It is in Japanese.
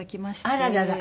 あららら。